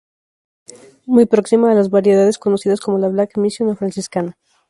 Muy próxima a las variedades conocidas como la 'Black Mission' o 'Franciscana'.